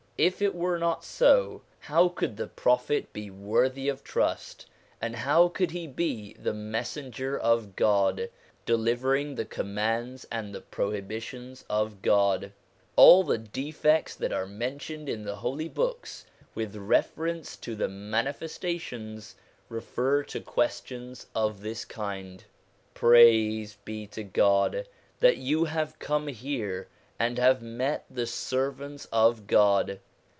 If it were not so, how could the Prophet be worthy of trust, and how could he be the Messenger of God, delivering the commands and the prohibitions of God ? All the defects that are mentioned in the Holy Books with reference to the Manifestations, refer to questions of this kind. Praise be to God that you have come here, and have met the servants of God